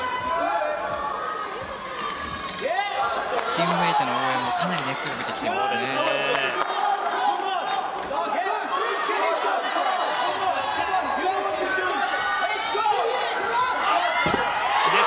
チームメートの応援もかなり熱を帯びてますね。